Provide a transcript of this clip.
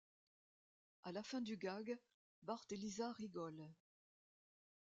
À la fin du gag, Bart et Lisa rigolent.